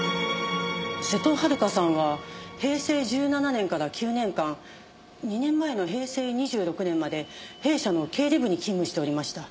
瀬戸はるかさんは平成１７年から９年間２年前の平成２６年まで弊社の経理部に勤務しておりました。